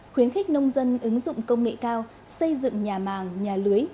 khuyến khích nông dân ứng dụng công nghệ cao xây dựng nhà màng nhà lưới